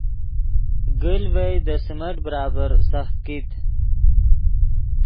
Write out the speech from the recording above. گیل ڤئے دے سیمنٹ برابر سخت کیت